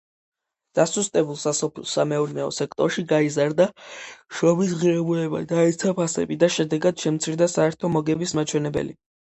დასუსტებულ სასოფლო-სამეურნეო სექტორში გაიზარდა შრომის ღირებულება, დაეცა ფასები და შედეგად, შემცირდა საერთო მოგების მაჩვენებელი.